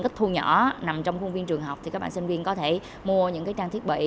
ít thu nhỏ nằm trong khuôn viên trường học thì các bạn sinh viên có thể mua những trang thiết bị